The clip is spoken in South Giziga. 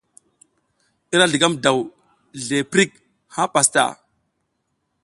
I ra zligam daw zle prik ha pastaʼa.